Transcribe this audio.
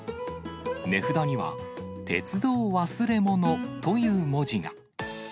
値札には、鉄道忘れ物という文字が。